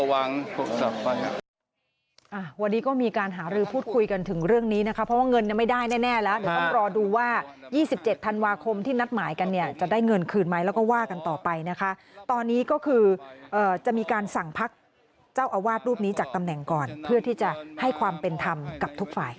แล้วก็พูดแบบนี้แล้วก็ก็วางโทษภัยครับ